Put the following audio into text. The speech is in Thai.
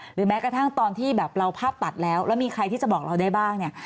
แม้กระทั่งตอนที่แบบเราภาพตัดแล้วแล้วมีใครที่จะบอกเราได้บ้างเนี่ย